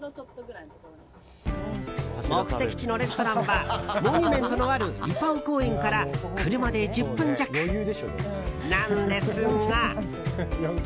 目的地のレストランはモニュメントのあるイパオ公園から車で１０分弱なんですが。